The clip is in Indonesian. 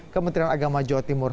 kementerian agama jawa timur